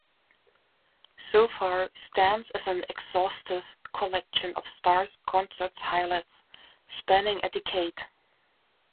So Far stands as an exhaustive collection of Starr's concert highlights spanning a decade.